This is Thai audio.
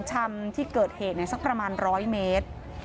โชว์บ้านในพื้นที่เขารู้สึกยังไงกับเรื่องที่เกิดขึ้น